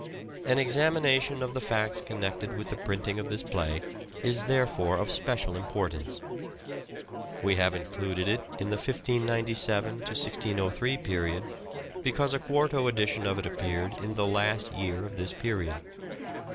An examination of the facts connected with the printing of this play is therefore of special importance. We have included it in the 1597 1603 period because a quarto edition of it appeared in the last year of this period.